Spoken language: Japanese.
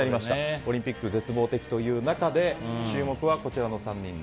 オリンピックが絶望的という中注目はこちらの３人。